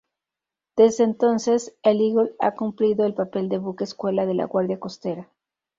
Desde entonces, el "Eagle" ha cumplido el papel de buque-escuela de la Guardia costera.